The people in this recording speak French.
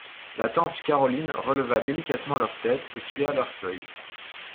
La tante Caroline releva délicatement leurs têtes, essuya leurs feuilles.